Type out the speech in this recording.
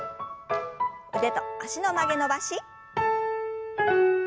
腕と脚の曲げ伸ばし。